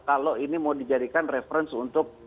kalau ini mau dijadikan referensi untuk